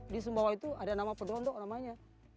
di sumbawa itu ada nama pedondok namanya